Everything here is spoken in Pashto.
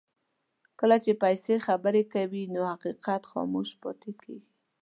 کله چې پیسې خبرې کوي نو حقیقت خاموش پاتې کېږي.